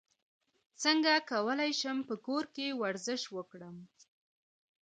څنګه کولی شم په کور کې ورزش وکړم